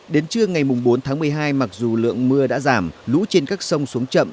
đến trưa ngày bốn tháng một mươi hai mặc dù lượng mưa đã giảm lũ trên các sông xuống chậm